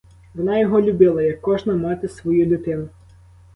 Вона його любила — як кожна мати свою дитину.